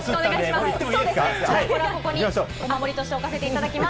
ちょっとこれはここにお守りとして置かせていただきます。